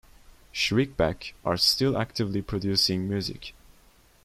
Shriekback are still actively producing music.